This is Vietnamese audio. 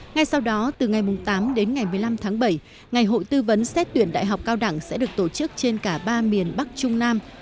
ngay sau đó từ ngày tám đến ngày một mươi năm tháng bảy ngày hội tư vấn xét tuyển đại học cao đẳng sẽ được tổ chức trên cả ba miền bắc trung nam